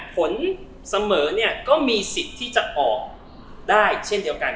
ผลเสมอเนี่ยก็มีสิทธิ์ที่จะออกได้เช่นเดียวกัน